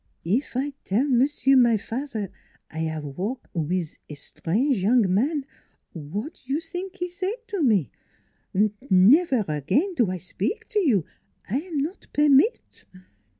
" If I tell monsieur, my fat'er, I 'ave walk NEIGHBORS 223 wiz es trange young man? Wat you zink he say to me? Nevaire again do I spik to you, I am not permit."